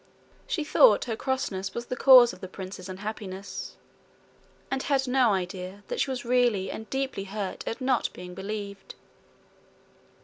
She thought her crossness was the cause of the princess's unhappiness, and had no idea that she was really and deeply hurt at not being believed.